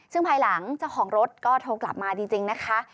ซึ่งภายหลังเจ้าของรถก็โทรกลับมาจริงนะคะ